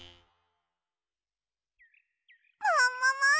ももも！